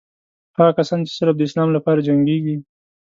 هغه کسان چې صرف د اسلام لپاره جنګېږي.